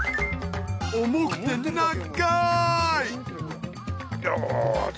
重くて長い！